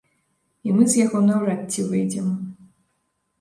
І мы з яго наўрад ці выйдзем.